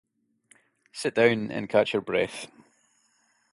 Sit down and catch your breath.